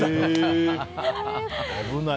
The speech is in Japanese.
危ない。